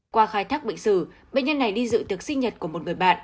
qua khai thác bệnh sử bệnh nhân này đi dự tiệc sinh nhật của một người bạn